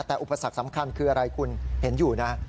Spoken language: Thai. แต่อุปสรรคสำคัญคืออะไรคุณเห็นอยู่นะ